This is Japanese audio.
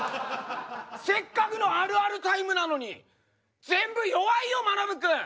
せっかくのあるあるタイムなのに全部弱いよまなぶ君！